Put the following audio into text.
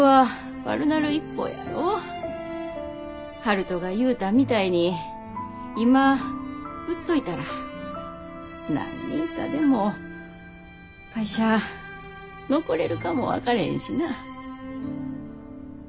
悠人が言うたみたいに今売っといたら何人かでも会社残れるかも分かれへんしな。